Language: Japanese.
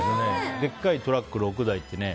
でかいトラック６台ってね。